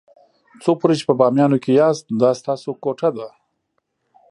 څو پورې چې په بامیانو کې یاست دا ستاسو کوټه ده.